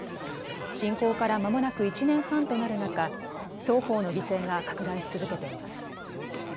侵攻からまもなく１年半となる中、双方の犠牲が拡大し続けています。